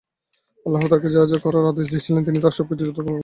আল্লাহ তাকে যা যা করার আদেশ দিয়েছিলেন তিনি তার সব কিছুই যথাযথভাবে পালন করেছেন।